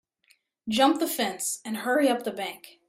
Jump the fence and hurry up the bank.